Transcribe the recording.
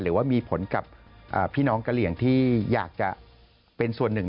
หรือว่ามีผลกับพี่น้องกะเหลี่ยงที่อยากจะเป็นส่วนหนึ่ง